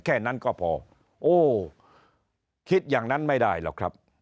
แค่นั้นก็พอโอ้คิดอย่างนั้นไม่ได้หรอกครับ